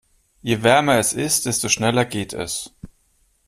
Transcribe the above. Je wärmer es ist, desto schneller geht es.